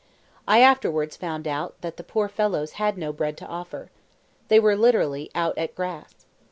I afterwards found that the poor fellows had no bread to offer. They were literally "out at grass."